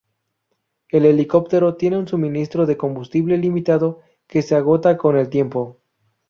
El helicóptero tiene un suministro de combustible limitado, que se agota con el tiempo.